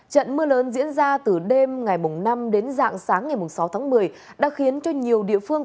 trận mưa lớn diễn ra từ đêm ngày năm đến dạng sáng ngày sáu tháng một mươi đã khiến cho nhiều địa phương